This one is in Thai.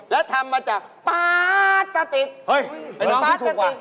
แล้วทำมาจะป๊า๊กกะติก